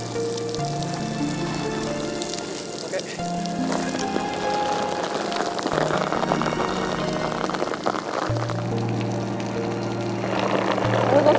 gue bakal sepuluh